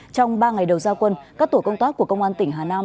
trong ba ngày đầu gia quân các tổ công tác của công an tỉnh hà nam